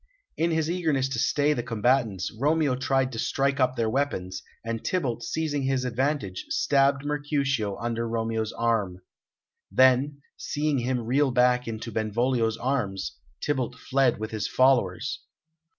In his eagerness to stay the combatants, Romeo tried to strike up their weapons, and Tybalt, seizing his advantage, stabbed Mercutio under Romeo's arm. Then, seeing him reel back into Benvolio's arms, Tybalt fled with his followers.